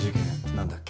何だっけ。